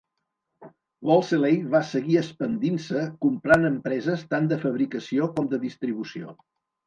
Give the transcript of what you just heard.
Wolseley va seguir expandint-se comprant empreses tant de fabricació com de distribució.